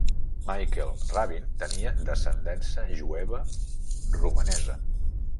Michael Rabin tenia descendència jueva romanesa.